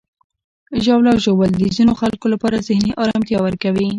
ژاوله ژوول د ځینو خلکو لپاره ذهني آرامتیا ورکوي.